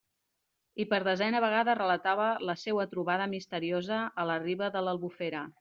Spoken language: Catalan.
I per desena vegada relatava la seua trobada misteriosa a la riba de l'Albufera.